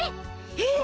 えっ？